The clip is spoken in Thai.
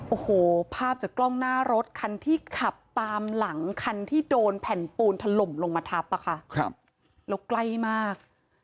โอ้โหภาพจากกล้องหน้ารถคันที่ขับตามหลังคันที่โดนแผ่นปูนถล่มลงมาทับอ่ะค่ะครับแล้วใกล้มาก